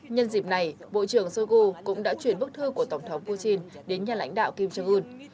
nhân dịp này bộ trưởng shoigu cũng đã chuyển bức thư của tổng thống putin đến nhà lãnh đạo kim jong un